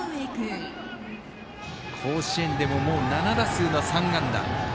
甲子園でも７打数３安打。